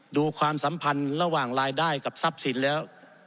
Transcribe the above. ความสัมพันธ์ระหว่างรายได้กับทรัพย์สินแล้ว